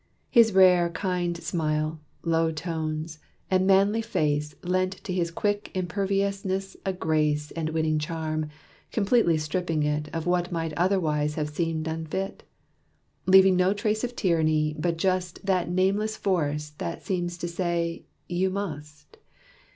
His rare, kind smile, low tones, and manly face Lent to his quick imperiousness a grace And winning charm, completely stripping it Of what might otherwise have seemed unfit. Leaving no trace of tyranny, but just That nameless force that seemed to say, "You must."